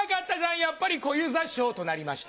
やっぱり小遊三師匠！となりました。